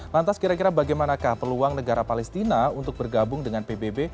lantas kira kira bagaimanakah peluang negara palestina untuk bergabung dengan pbb